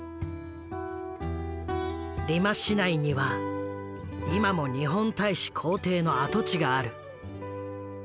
リマ市内には今も日本大使公邸の跡地がある。